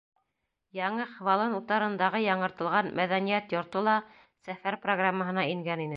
Яңы Хвалын утарындағы яңыртылған мәҙәниәт йорто ла сәфәр программаһына ингән ине.